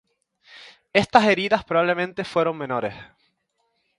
Estas heridas probablemente fueron menores.